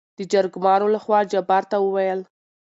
دجرګمارو لخوا جبار ته وويل: